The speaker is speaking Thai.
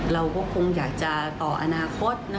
เราก็คงอยากจะต่ออนาคต